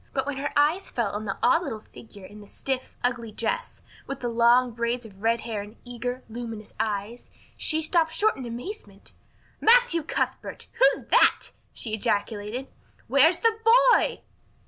But when her eyes fell on the odd little figure in the stiff, ugly dress, with the long braids of red hair and the eager, luminous eyes, she stopped short in amazement. "Matthew Cuthbert, who's that?" she ejaculated. "Where is the boy?"